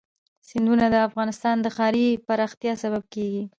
سیندونه د افغانستان د ښاري پراختیا سبب کېږي.